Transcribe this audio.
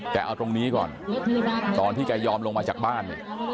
แต่เอาตรงนี้ก่อนตอนที่แกยอมลงมาจากบ้านเนี่ย